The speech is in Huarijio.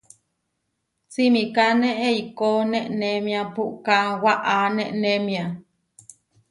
Simikáne eikó nenémia puʼká waʼá nenémia.